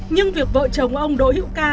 nhưng việc vợ chồng ông đỗ hiệu ca